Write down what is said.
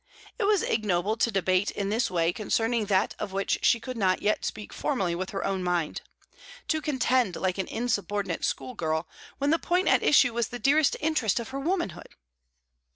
It was ignoble to debate in this way concerning that of which she could not yet speak formally with her own mind; to contend like an insubordinate school girl, when the point at issue was the dearest interest of her womanhood.